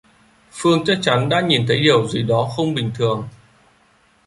Phương chắc chắn đã nhìn thấy điều gì đó không bình thường